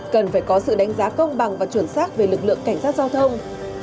cần phải có sự đánh giá công bằng và chuẩn xác về lực lượng cảnh sát giao thông